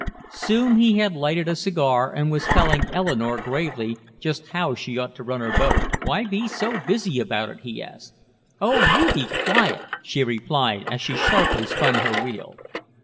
Soon he had lighted a cigar and was telling Eleanore gravely just how she ought to run her boat. "Why be so busy about it?" he asked. "Oh, you be quiet!" she replied, as she sharply spun her wheel.